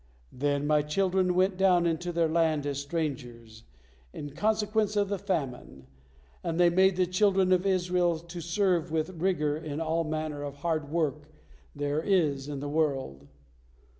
Then My children went down into their land as strangers, in consequence of the famine, and they made the children of Israel to serve with rigor in all manner of hard work there is in the world.